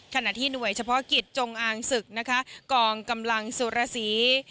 ขณะที่หน่วยเฉพาะกิจจงอางศึกนะคะกองกำลังสุรสี